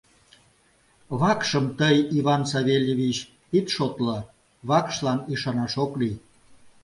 Вакшым тый, Иван Савельевич, ит шотло, вакшлан ӱшанаш ок лий.